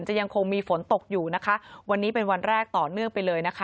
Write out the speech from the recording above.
ยังคงมีฝนตกอยู่นะคะวันนี้เป็นวันแรกต่อเนื่องไปเลยนะคะ